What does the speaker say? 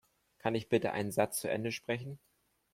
Kann ich bitte einen Satz zu Ende sprechen?